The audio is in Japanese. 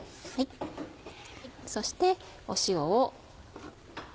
そして塩を。